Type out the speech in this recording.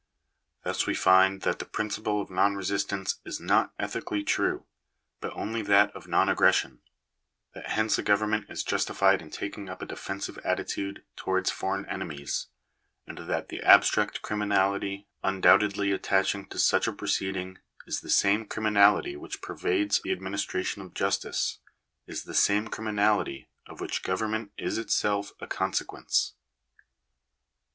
Thus we find that the principle of non resistance is not ethically true, but only that of non aggression — that hence a government is justified in taking up a defensive attitude to wards foreign enemies — and that the abstract criminality un doubtedly attaching to such a proceeding is the same criminality which pervades the administration of justice, is the same crimi nality of which government is itself a consequence.